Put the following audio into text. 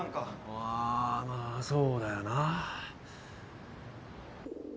あまあそうだよな。